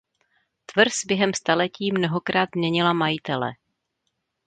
Tvrz během staletí mnohokrát změnila majitele.